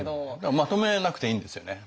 まとめなくていいんですよね。